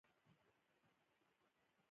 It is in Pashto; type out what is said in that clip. خټکی د معدې لپاره نرم خواړه دي.